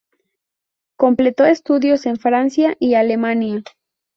Completó estudios en Francia y Alemania.